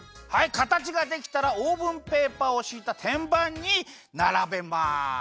かたちができたらオーブンペーパーをしいたてんばんにならべます。